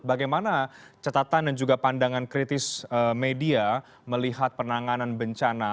bagaimana catatan dan juga pandangan kritis media melihat penanganan bencana